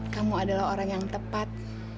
kamu adalah orang yang tepat